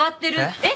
えっ？